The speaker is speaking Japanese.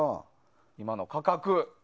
今の価格。